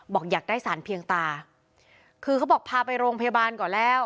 อยากได้สารเพียงตาคือเขาบอกพาไปโรงพยาบาลก่อนแล้ว